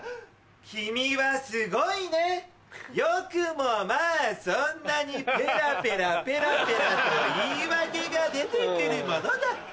君はすごいねよくもまぁそんなにペラペラペラペラと言い訳が出て来るものだ！